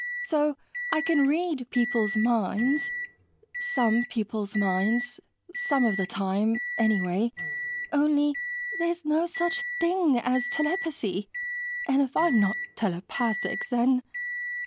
So I can read people's minds some people's minds, some of the time, anyway ... only there's no such thing as telepathy. And if I'm not telepathic, then...."